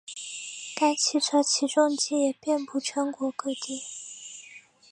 该汽车起重机也遍布全国各地。